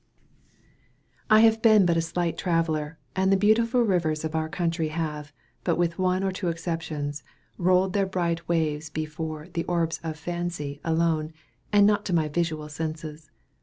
I have been but a slight traveller, and the beautiful rivers of our country have, with but one or two exceptions, rolled their bright waves before "the orbs of fancy" alone, and not to my visual senses.